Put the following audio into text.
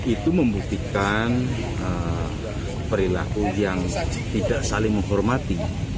itu membuktikan perilaku yang tidak saling menghormati